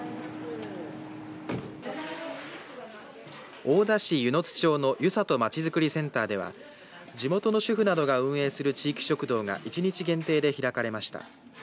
大田市温泉津町の湯里まちづくりセンターでは地元の主婦などが運営する地域食堂が限定で開かれました。